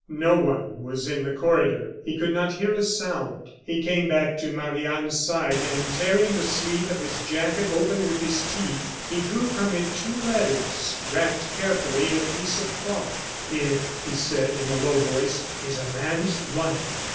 No one was in the corridor; he could not hear a sound. He came back to Marie Anne's side, and tearing the sleeve of his jacket open with his teeth, he drew from it two letters, wrapped carefully in a piece of cloth. "Here," he said, in a low voice, "is a man's life!"